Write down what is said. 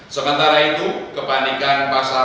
sementara itu kebandingan pasar